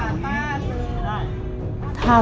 แล้วนี้ก็จะเป็นสองหมื่นห้าแล้ว